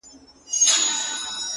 دا غمى اوس له بــازاره دى لوېـدلى ـ